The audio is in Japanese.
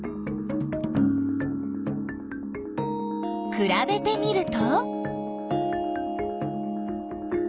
くらべてみると？